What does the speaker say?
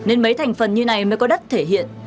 nên mấy thành phần như này mới có đất thể hiện